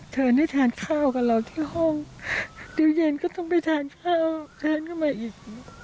เชิญให้ทานข้าวกับเราที่ห้องเดี๋ยวเย็นก็ต้องไปทานข้าวเดินเข้ามาอีก